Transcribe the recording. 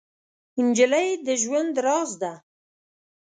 نجلۍ د ژوند راز ده.